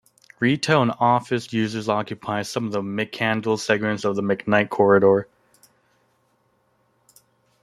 Retail and office uses occupy some of the McCandless segment of the McKnight corridor.